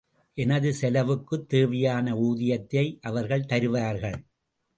எனது செலவுக்குத் தேவையான ஊதியத்தை அவர்கள் தருவார்கள்.